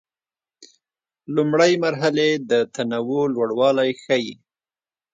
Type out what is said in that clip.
لومړۍ مرحلې د تنوع لوړوالی ښيي.